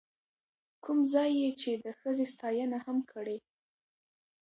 کوم ځاى يې چې د ښځې ستاينه هم کړې،،